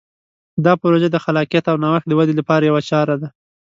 دا پروژه د خلاقیت او نوښت د ودې لپاره یوه چاره ده.